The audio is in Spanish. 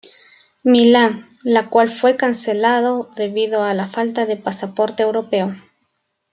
Milan, la cual fue cancelado debido a la falta de pasaporte europeo.